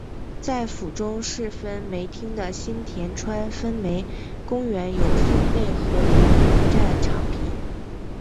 在府中市分梅町的新田川分梅公园有分倍河原古战场碑。